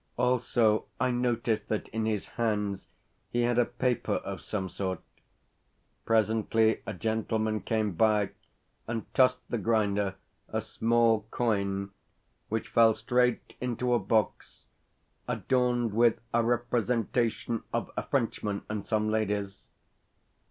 Also, I noticed that in his hands he had a paper of some sort. Presently a gentleman came by, and tossed the grinder a small coin, which fell straight into a box adorned with a representation of a Frenchman and some ladies.